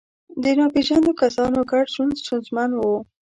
د ناپېژاندو کسانو ګډ ژوند ستونزمن و.